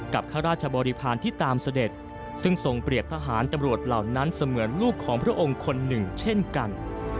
ข้าราชบริพาณที่ตามเสด็จซึ่งทรงเปรียบทหารตำรวจเหล่านั้นเสมือนลูกของพระองค์คนหนึ่งเช่นกัน